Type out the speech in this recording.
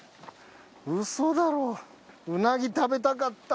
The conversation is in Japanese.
ウソだろうなぎ食べたかった。